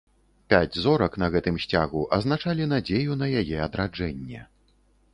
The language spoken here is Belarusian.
Пяць зорак на гэтым сцягу азначалі надзею на яе адраджэнне.